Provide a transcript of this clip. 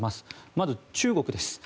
まず中国です。